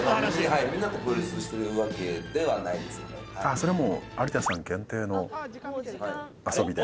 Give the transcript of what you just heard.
それはもう有田さん限定の遊びで？